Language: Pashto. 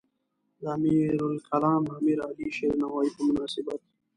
د امیرالکلام امیرعلی شیرنوایی په مناسبت.